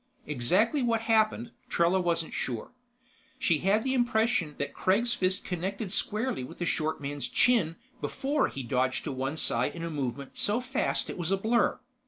Exactly what happened, Trella wasn't sure. She had the impression that Kregg's fist connected squarely with the short man's chin before he dodged to one side in a movement so fast it was a blur.